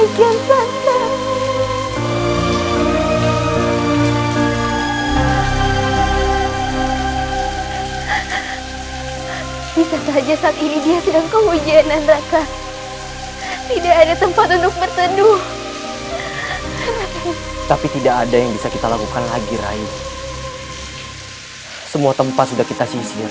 sampai jumpa di video selanjutnya